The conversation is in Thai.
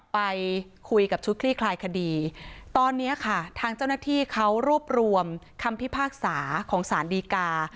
ไปคุยกับชุดคลี่คลายคดีตอนนี้ค่ะทางเจ้าหน้าที่เขารวบรวมคำพิพากษาของสารดีกา